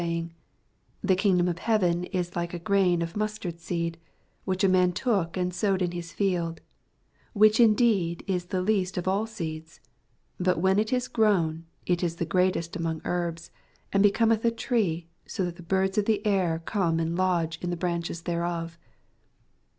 saymg, The kingdom of heaven is like to a grain of mastard seed, which a man took, and sowed in his field : 82 Which indeed is the least of all seeds : bat when it is grown, it is the greatest amon^ herbs, and becometh a tree, so that the birds of the air oome and lodge in the branches thereof.